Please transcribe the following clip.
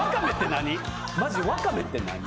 マジでワカメって何？